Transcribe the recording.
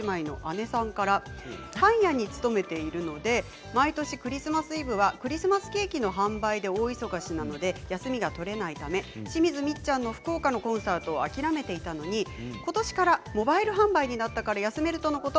パン屋に勤めているので毎年クリスマスイブはクリスマスケーキの販売で大忙しなので休みが取れないため清水ミッちゃんの福岡のコンサートを諦めていたのにことしからモバイル販売になったから休めるとのこと。